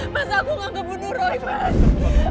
mas aku gak kebunuh roy mas